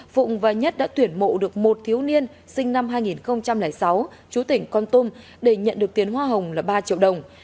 phụng và nhất đã tuyển mộ được một thiếu niên sinh năm hai nghìn sáu chú tỉnh con tum để nhận được tiền hoa hồng là ba triệu đồng